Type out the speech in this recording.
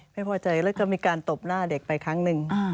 ไม่พอใจแล้วก็มีการตบหน้าเด็กไปครั้งหนึ่ง